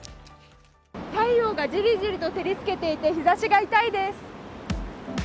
太陽がジリジリと照りつけていて、日ざしが痛いです。